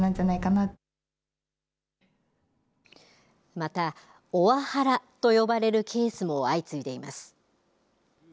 また、オワハラと呼ばれるケースも相次いでいます。